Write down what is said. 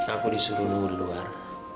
aku disuruh ngurur luar